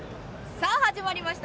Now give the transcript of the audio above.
さあ始まりました